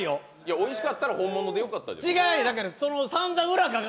おいしかったら本物でよかったじゃないですか。